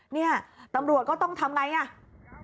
เนี่ยตำรวจก็ต้องทำไงอ่ะ